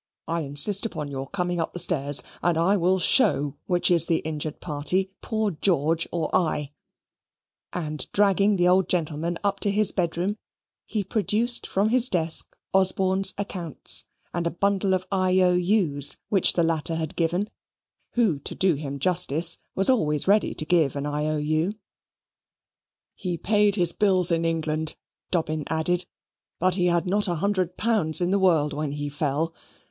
"I insist on your coming up the stairs, and I will show which is the injured party, poor George or I"; and, dragging the old gentleman up to his bedroom, he produced from his desk Osborne's accounts, and a bundle of IOU's which the latter had given, who, to do him justice, was always ready to give an IOU. "He paid his bills in England," Dobbin added, "but he had not a hundred pounds in the world when he fell.